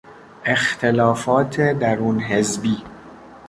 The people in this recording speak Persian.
اختلافات درون حزبی